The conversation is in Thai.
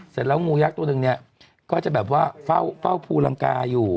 เสร็จแล้วงูยักษ์ตัวหนึ่งเนี่ยก็จะแบบว่าเฝ้าภูลังกาอยู่